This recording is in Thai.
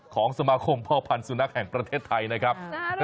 ของสมาคมพ่อพันธ์สุนัขแห่งประเทศไทยนะครับ